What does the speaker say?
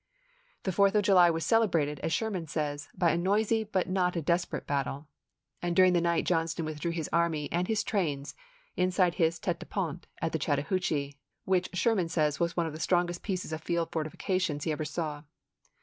The 4th of July was celebrated, as Sherman says, by " a noisy but not a desperate battle," and during the night John ston withdrew his army and his trains inside his tete de pont at the Chattahoochee, which Sherman says was one of the strongest pieces of field forti fications he ever saw.